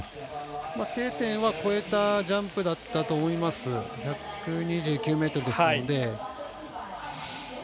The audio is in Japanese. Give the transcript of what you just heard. Ｋ点は越えたジャンプだったと思います、１２９ｍですので。